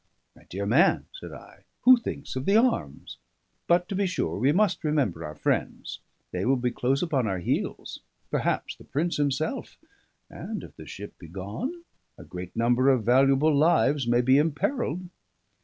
"My dear man," said I, "who thinks of the arms? But, to be sure, we must remember our friends. They will be close upon our heels, perhaps the Prince himself, and if the ship be gone, a great number of valuable lives may be imperilled."